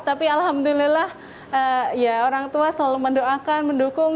tapi alhamdulillah ya orang tua selalu mendoakan mendukung